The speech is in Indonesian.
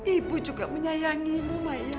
ibu juga menyayangimu maya